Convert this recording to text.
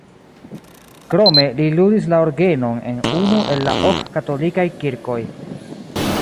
Krome li ludis la orgenon en unu el la ok katolikaj kirkoj.